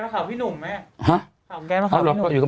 ข้าวแก๊สมาขาวพี่หนุ่มไหม